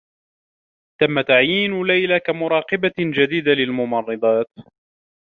تمّ تعيين ليلى كمراقبة جديدة للممرّضات.